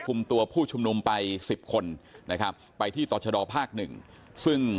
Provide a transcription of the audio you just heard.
คุณตำรวจครับนี่ออกมาใจเย็นพี่เขาพี่เขาพี่เขา